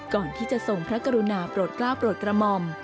ก่อนที่จะทรงพระกรุณาโปรดกล้าวโปรดกระหม่อม